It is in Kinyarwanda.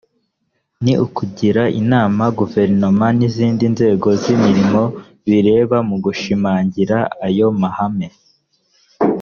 ni ukugira inama guverinoma n’izindi nzego z’imirimo bireba mu gushimangira ayo mahame